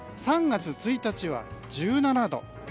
３月１日は１７度。